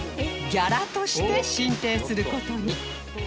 ギャラとして進呈する事に